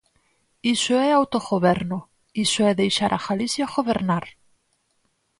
Iso é autogoberno, iso é deixar a Galicia gobernar.